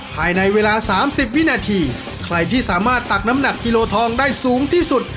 ภายในเวลา๓๐วินาทีใครที่สามารถตักน้ำหนักกิโลทองได้สูงที่สุด